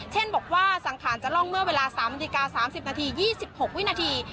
เช่นบอกว่าสังขารจะล่องเมื่อเวลา๓นาฬิกา๓๐นาที๒๖วินาที